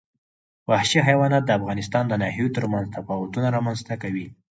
وحشي حیوانات د افغانستان د ناحیو ترمنځ تفاوتونه رامنځ ته کوي.